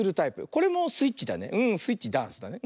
これもスイッチだねスイッチダンスだね。